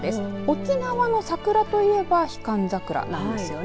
沖縄の桜といえばヒカンザクラなんですよね。